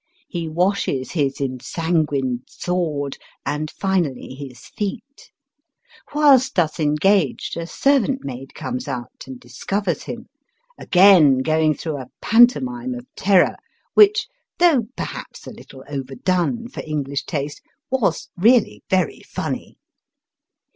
He washes his ensanguined sword and finally his feet. Whilst thus engaged a servant maid comes out and discovers him, again going through a pantomime of terror which, though, perhaps, a little overdone for EngUsh taste, was really very funny.